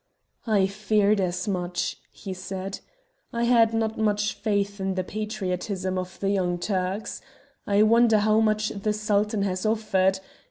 "I feared as much," he said. "I had not much faith in the patriotism of the Young Turks. I wonder how much the Sultan has offered.